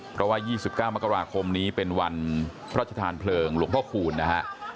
เพราะว่า๒๙มกราคมนี้เป็นวันพระชธานเพลิงหลวงพ่อคูณนะฮะ